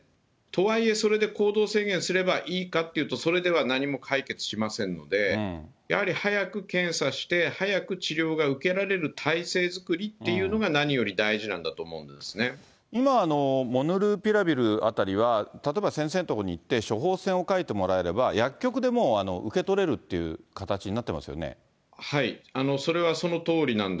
とはいえ、それで行動制限すればいいかというと、それでは何も解決しませんので、やはり早く検査して、早く治療が受けられる体制作りっていうのが何より大事なんだと思今、モルヌピラビルあたりは例えば先生のところに行って処方せんを書いてもらえれば、薬局でもう受け取れるという形になってますよね。